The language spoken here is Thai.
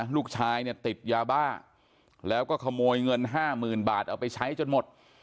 ลูกชายเนี่ยติดยาบ้าแล้วก็ขโมยเงิน๕๐๐๐บาทเอาไปใช้จนหมด